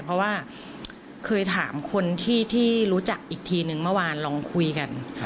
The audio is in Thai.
เพราะว่าเคยถามคนที่รู้จักอีกทีนึงเมื่อวานลองคุยกัน